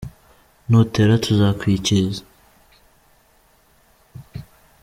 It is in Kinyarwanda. Nutera tuzakwikiriza